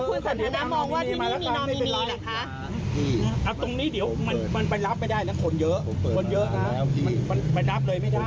ก็ได้นะเหมือนที่เราพูดเราพูดเหมือนที่อื่นเขานะ